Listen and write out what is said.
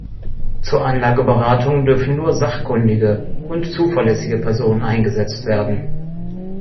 Zur Anlageberatung dürfen nur sachkundige und zuverlässige Personen eingesetzt werden.